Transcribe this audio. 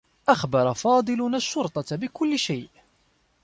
أخبر فاضل الشّرطة بكلّ شيء.